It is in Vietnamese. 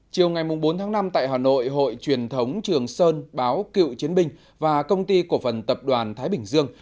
chiều ngày bốn tháng năm tại hà nội hội truyền thống trường sơn báo cựu chiến binh và công ty cổ phần tập đoàn thái bình dương